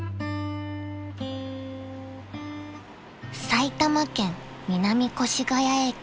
［埼玉県南越谷駅］